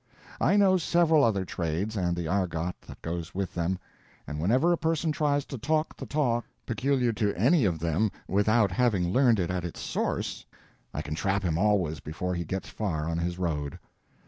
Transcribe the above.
I know several other trades and the argot that goes with them; and whenever a person tries to talk the talk peculiar to any of them without having learned it at its source I can trap him always before he gets far on his road.